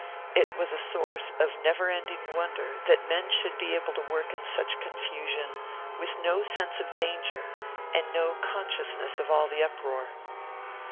It was a source of never ending wonder that men should be able to work in such confusion, with no sense of danger and no consciousness of all the uproar.